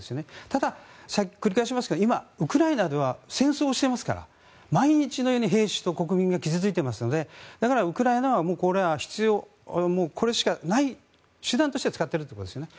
ただ、繰り返しますが今、ウクライナでは戦争をしていますから毎日のように兵士と国民が傷付いていますのでだからウクライナはこれは必要これしかない手段として使っているということですね。